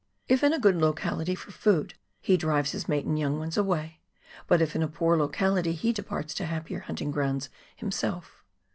If in a good locality for food he driyes his mate and young ones away, but if in a poor locality he departs to happier hunting grounds himself.